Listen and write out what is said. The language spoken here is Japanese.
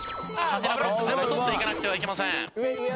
ハテナブロック全部取っていかなくてはいけません。